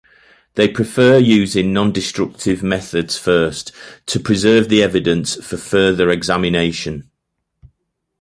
They prefer using nondestructive methods first, to preserve the evidence for further examination.